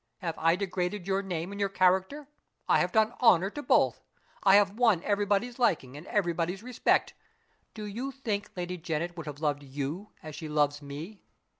Have I degraded your name and your character? I have done honor to both. I have won everybody's liking and everybody's respect. Do you think Lady Janet would have loved you as she loves me?